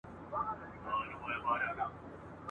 د واسکټ شیطانان `